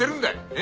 え？